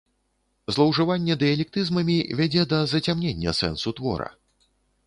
Злоўжыванне дыялектызмамі вядзе да зацямнення сэнсу твора.